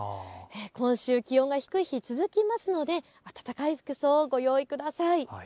今週、気温が低い日続きますので暖かい服装をご用意ください。